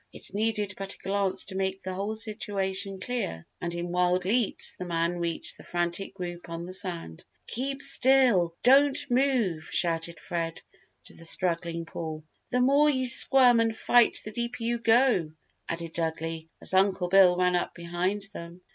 It needed but a glance to make the whole situation clear, and in wild leaps the man reached the frantic group on the sand. "Keep still, don't move!" shouted Fred to the struggling Paul. "The more you squirm and fight the deeper you go!" added Dudley, as Uncle Bill ran up behind them.